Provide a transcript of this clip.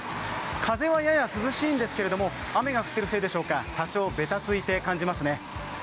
風はやや涼しいんですけれども雨が降っているせいでしょうか多少べたついて感じますね。